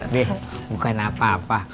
be bukan apa apa